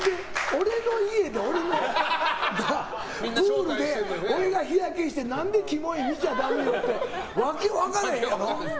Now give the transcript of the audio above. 俺の家いて俺のプールで俺が日焼けして何でキモい、見ちゃダメよって訳分かれへんよな。